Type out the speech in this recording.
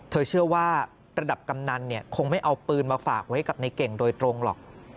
เชื่อว่าระดับกำนันเนี่ยคงไม่เอาปืนมาฝากไว้กับในเก่งโดยตรงหรอก